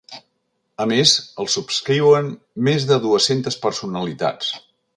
A més, el subscriuen més de dues-centes personalitats.